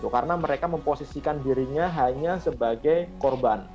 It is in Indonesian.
karena mereka memposisikan dirinya hanya sebagai korban